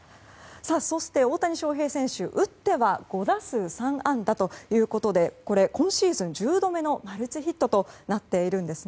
そして大谷翔平選手、打っては５打数３安打ということで今シーズン１０度目のマルチヒットとなっているんです。